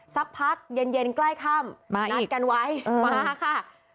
สักพักเย็นใกล้ค่ำนัดกันไว้มาค่ะ